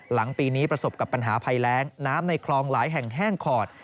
หลังปีนี้ประสบกับปัญหาภัยแรงน้ำในคลองหลายแห่งแห้งขอด